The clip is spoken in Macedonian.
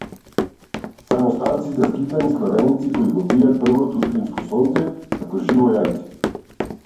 Само старци и заскитани славеници кои го пијат првото утринско сонце како живо јајце.